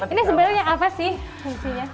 ini sebenarnya apa sih fungsinya